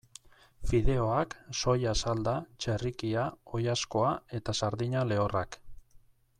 Fideoak, soia salda, txerrikia, oilaskoa eta sardina lehorrak.